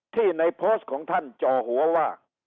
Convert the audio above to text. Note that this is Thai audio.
ในโพสต์ของท่านจ่อหัวว่า